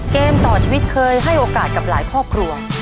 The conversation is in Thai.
เกมต่อชีวิตเคยให้โอกาสกับหลายครอบครัว